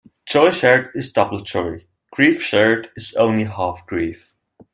Joy shared is double joy; grief shared is only half grief.